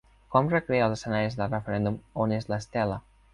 Com recrea els escenaris del referèndum On és l'Estel·la?